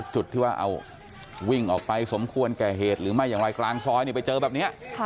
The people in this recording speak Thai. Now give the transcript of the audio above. จุดที่ว่าเอาวิ่งออกไปสมควรแก่เหตุหรือไม่อย่างไรกลางซอยไปเจอแบบนี้